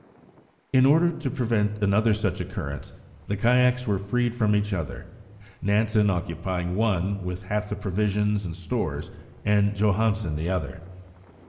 In order to prevent another such occurrence, the kayaks were freed from each other, Nansen occupying one with half the provisions and stores, and Johansen the other.